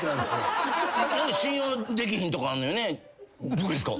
僕ですか？